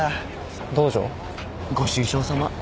ご愁傷さま。